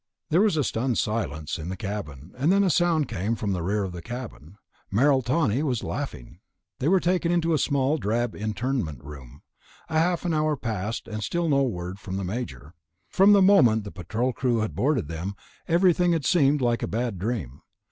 There was a stunned silence in the cabin, and then a sound came from the rear of the cabin. Merrill Tawney was laughing. 12. The Sinister Bonanza They were taken to a small, drab internment room. A half hour passed and still no word from the Major. From the moment the Patrol crew had boarded them, everything had seemed like a bad dream.